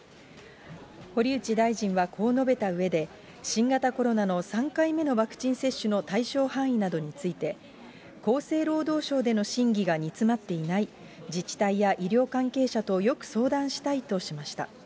堀内大臣はこう述べたうえで、新型コロナの３回目のワクチン接種の対象範囲などについて、厚生労働省での審議が煮詰まっていない、自治体や医療関係者とよく相談したいとしました。